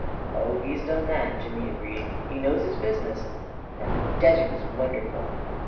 "Oh, he's done that," Jimmy agreed. "He knows his business." " And the desert is wonderful."